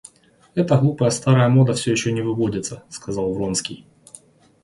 Эта глупая старая мода всё еще не выводится, — сказал Вронский.